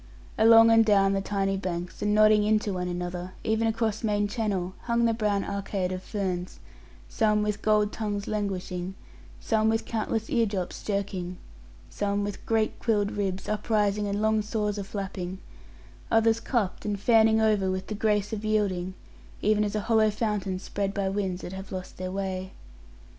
Along and down the tiny banks, and nodding into one another, even across main channel, hung the brown arcade of ferns; some with gold tongues languishing; some with countless ear drops jerking, some with great quilled ribs uprising and long saws aflapping; others cupped, and fanning over with the grace of yielding, even as a hollow fountain spread by winds that have lost their way.